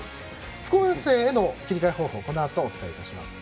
副音声への切り替え方法はこのあとお伝えします。